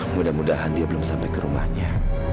mudah mudahan dia belum sampai ke rumahnya